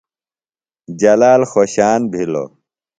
جلال خوۡشان بِھلوۡ۔